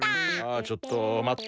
あちょっと待っと！